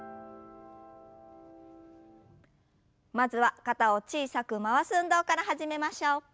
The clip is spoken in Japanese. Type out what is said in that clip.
まずは肩を小さく回す運動から始めましょう。